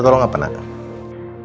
teng jangan aturi